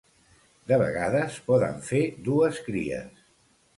De vegades poden fer dues cries.